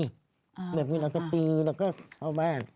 เดี๋ยวพรุ่งนี้เราจะตื่นแล้วก็เข้าบ้าน